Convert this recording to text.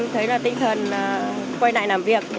tôi thấy tinh thần quay lại làm việc